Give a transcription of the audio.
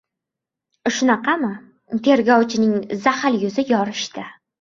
— Shunaqami? — tergovchining zaxil yuzi yorishdi.